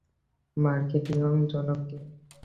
মার্কেটিংয়ের জনক কে?